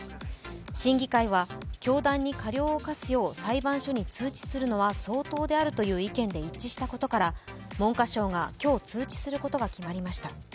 審議会は教団に過料を科すよう裁判所に通知するのは相当であるという意見で一致したことから文科省が今日、通知することが決まりました。